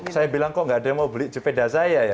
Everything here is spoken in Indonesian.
saya bilang kok nggak ada yang mau beli sepeda saya ya